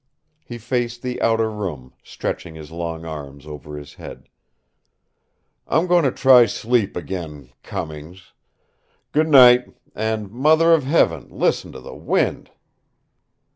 He faced the outer room, stretching his long arms above his head. "I'm going to try sleep again, Cummings. Goodnight! And Mother of Heaven! listen to the wind."